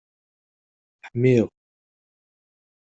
Ḥmiɣ.